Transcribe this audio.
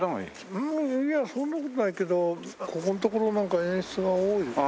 いやそんな事ないけどここのところなんか演出が多い。